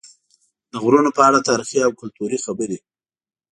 د غرونو په اړه تاریخي او کلتوري خبرې